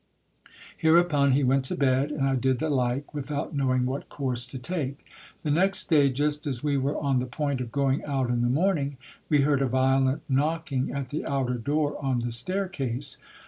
Hereupon he went to bed, and I did the like, without knowing what course to take. The next day, just as we were on the point of going out in the morn ing, we heard a violent knocking at the outer door on the staircase.